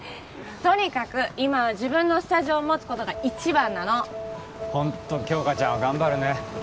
とにかく今は自分のスタジオを持つことが一番なのホント杏花ちゃんは頑張るね